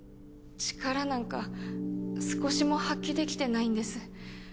力なんか少しも発揮できてないんです。